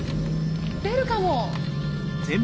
出るかも。